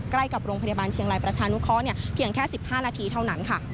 ใกล้กับโรงพยาบาลเชียงรายประชานุเคราะห์เพียงแค่๑๕นาทีเท่านั้นค่ะ